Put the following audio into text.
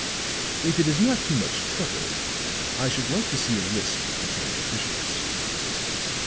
"If it is not too much trouble, I should like to see a list of the German officials."